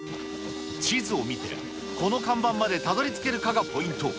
地図を見て、この看板までたどりつけるかがポイント。